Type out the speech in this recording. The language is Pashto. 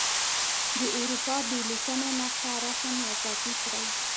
د اروپا بې لیکنې نقشه رسم یا کاپې کړئ.